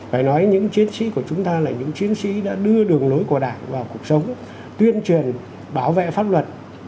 phải nói những chiến sĩ của chúng ta là những chiến sĩ đã đưa đường lối của đảng vào cuộc sống tuyên truyền bảo vệ pháp luật